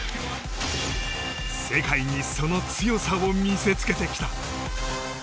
世界にその強さを見せつけてきた。